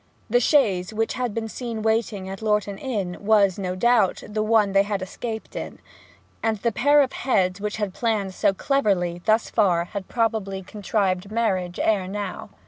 The chaise which had been seen waiting at Lornton Inn was, no doubt, the one they had escaped in; and the pair of heads which had planned so cleverly thus far had probably contrived marriage ere now.